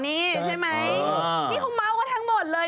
พี่เขาเมาก็ทั้งหมดเลย